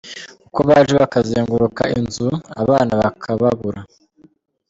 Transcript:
Uko baje bakazenguruka inzu abana bakababura.”